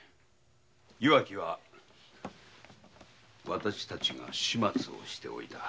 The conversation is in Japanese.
岩木はわたしたちが始末をしておいた。